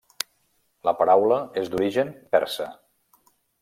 La paraula és d'origen persa.